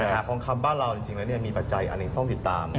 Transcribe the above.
แต่ทองคำบ้านเราจริงแล้วมีปัจจัยอันหนึ่งต้องติดตาม